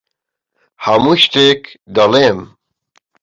هەموو شتێک دەڵێم.